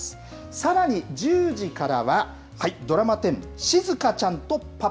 さらに１０時からは、ドラマ１０しずかちゃんとパパ。